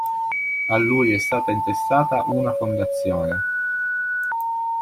A lui è stata intestata una Fondazione.